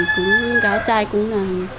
cũng gái trai cũng là